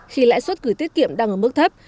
khi lãi suất gửi tiết kiệm đang ở mức thấp